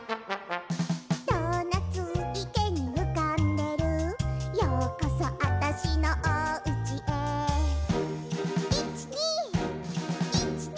「ドーナツ池にうかんでる」「ようこそあたしのおうちへ」いっちにいっちに！